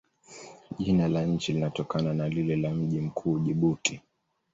Jina la nchi linatokana na lile la mji mkuu, Jibuti.